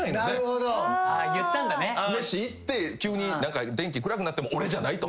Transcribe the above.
飯行って急に電気暗くなっても俺じゃないと。